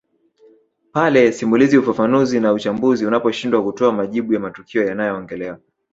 Pale simulizi ufafanuzi na uchambuzi unaposhindwa kutoa majibu ya matukio yanayoongelewa